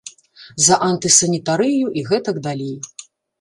За антысанітарыю і гэтак далей.